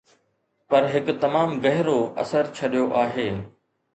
پر هڪ تمام گهرو اثر ڇڏيو آهي.